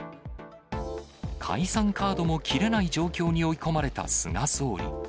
解散カードも切れない状況に追い込まれた菅総理。